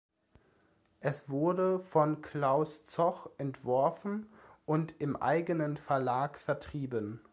Es wurde von Klaus Zoch entworfen und im eigenen Verlag vertrieben.